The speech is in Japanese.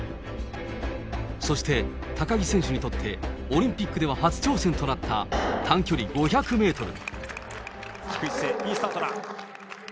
そして高木選手にとってオリンピックでは初挑戦となった短距離５低い姿勢、いいスタートだ。